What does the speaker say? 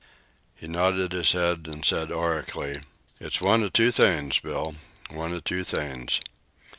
He nodded his head and said oracularly: "It's one o' two things, Bill: one o' two things.